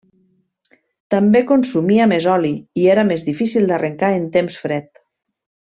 També consumia més oli, i era més difícil d'arrencar en temps fred.